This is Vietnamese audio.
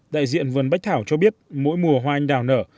đại diện vườn bách thảo cho biết mỗi mùa hoa anh đào nở